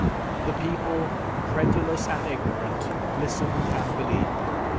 "The people, credulous and ignorant, listened and believed.